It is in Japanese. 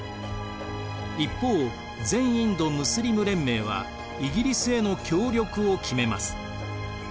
一方全インド・ムスリム連盟はイギリスへの協力を決めます。